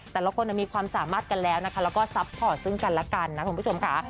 แต่ละคนมีความสามารถกันแล้วนะคะแล้วก็ซัพพอร์ตซึ่งกันแล้วกันนะคุณผู้ชมค่ะ